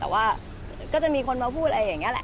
แต่ว่าก็จะมีคนมาพูดอะไรอย่างนี้แหละ